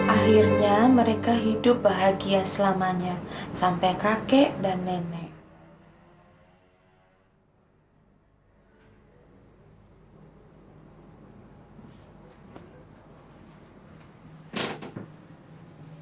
akhirnya mereka hidup bahagia selamanya sampai kakek dan nenek